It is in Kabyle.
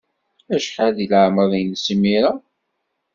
Acḥal deg leɛmeṛ-nnes imir-a?